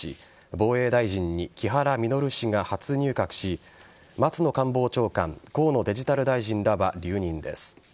防衛大臣に木原稔氏が初入閣し松野官房長官河野デジタル大臣らは留任です。